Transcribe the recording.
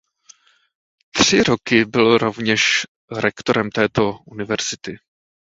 Tři roky byl rovněž rektorem této univerzity.